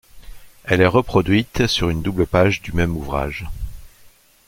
Elle est reproduite sur une double page du même ouvrage.